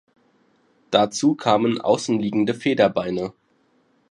Dazu kamen außenliegende Federbeine.